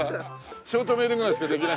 ショートメールぐらいしかできない。